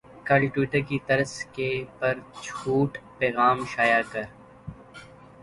کل ٹیوٹر کی طرز کے پر چھوٹ پیغام شائع کر